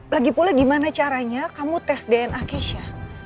lagipula gimana caranya kamu tes dna keisha